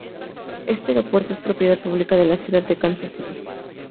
Este aeropuerto es propiedad pública de la ciudad de Kansas City.